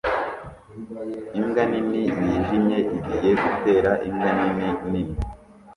Imbwa nini yijimye igiye gutera imbwa nini nini